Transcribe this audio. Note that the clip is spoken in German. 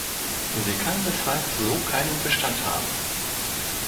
Sie kann deshalb so keinen Bestand haben.